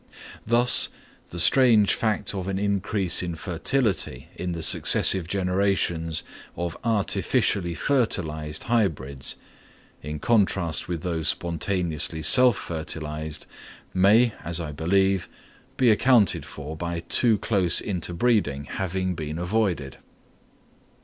And thus, the strange fact of an increase of fertility in the successive generations of artificially fertilised hybrids, in contrast with those spontaneously self fertilised, may, as I believe, be accounted for by too close interbreeding having been avoided.